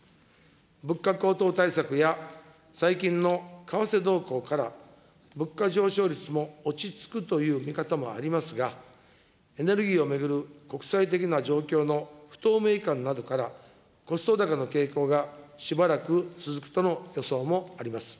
物価高騰対策や最近の為替動向から物価上昇率も落ち着くという見方もありますが、エネルギーを巡る国際的な状況の不透明感などから、コスト高の傾向がしばらく続くとの予想もあります。